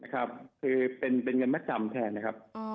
คือเป็นเงินมัดจำแทนนะครับ